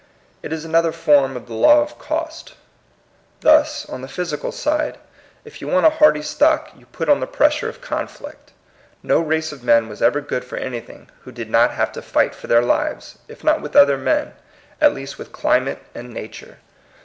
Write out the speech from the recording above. It is another form of the law of cost. Thus, on the physical side, if you want a hardy stock you put on the pressure of conflict. No race of men was ever good for anything who did not have to fight for their lives, if not with other men, at least with climate and nature.